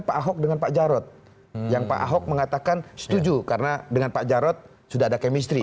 pak ahok dengan pak jarod yang pak ahok mengatakan setuju karena dengan pak jarod sudah ada chemistry